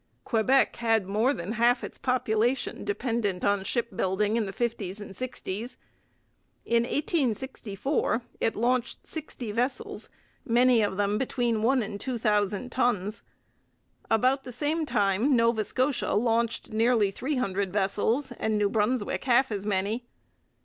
Quebec had more than half its population dependent on shipbuilding in the fifties and sixties. In 1864 it launched sixty vessels, many of them between one and two thousand tons. About the same time Nova Scotia launched nearly three hundred vessels and New Brunswick half as many.